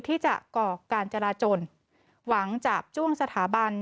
ที่จะก่อการจราจนหวังจาบจ้วงสถาบัน